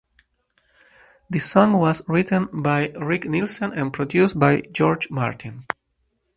The song was written by Rick Nielsen and produced by George Martin.